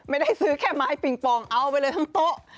ไม่ได้ซื้อแค่ไม้ปิงปองเอาไปเลยทั้งโต๊ะ